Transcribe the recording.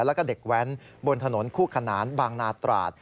แล้วก็เด็กแว้นบนถนนคู่ขนานบางนาตราด